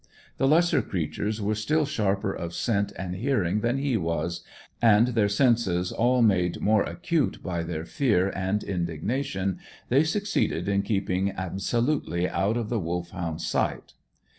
The lesser creatures were still sharper of scent and hearing than he was, and their senses all made more acute by their fear and indignation, they succeeded in keeping absolutely out of the Wolfhound's sight.